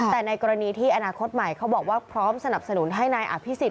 แต่ในกรณีที่อนาคตใหม่เขาบอกว่าพร้อมสนับสนุนให้นายอภิษฎ